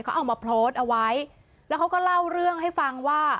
เขาเอามาโพสต์เอาไว้แล้วเขาก็เล่าเรื่องให้ฟังว่า